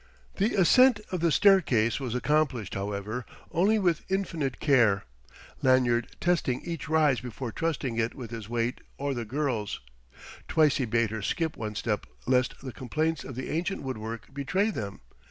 The ascent of the staircase was accomplished, however, only with infinite care, Lanyard testing each rise before trusting it with his weight or the girl's. Twice he bade her skip one step lest the complaints of the ancient woodwork betray them.